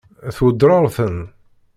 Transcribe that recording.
Tweddṛeḍ-ten?